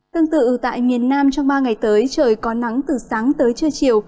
tương tự tại miền nam trong ba ngày tới trời có nắng từ sáng tới trưa chiều